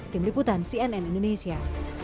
tim liputan cnn indonesia